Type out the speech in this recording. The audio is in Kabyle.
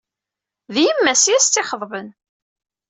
D yemma-s i as-tt-id-ixeḍben.